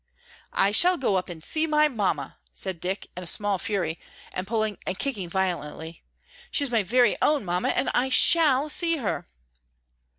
"I shall go up and see my Mamma," said Dick, in a small fury, and pulling and kicking violently. "She is my very own Mamma, and I shall see her."